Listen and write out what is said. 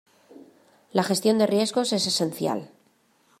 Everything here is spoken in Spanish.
La gestión de riesgos es esencial.